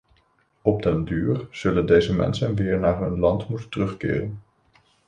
Op den duur zullen deze mensen weer naar hun land moeten terugkeren.